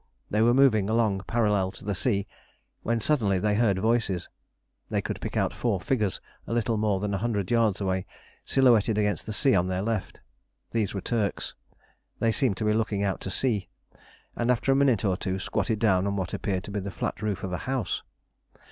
They were moving along parallel to the sea when suddenly they heard voices. They could pick out four figures a little more than a hundred yards away, silhouetted against the sea on their left. These were Turks; they seemed to be looking out to sea, and after a minute or two squatted down on what appeared to be the flat roof of a house.